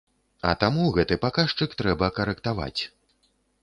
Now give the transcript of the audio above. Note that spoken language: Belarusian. А таму гэты паказчык трэба карэктаваць.